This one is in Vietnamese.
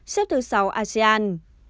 xếp thứ sáu asean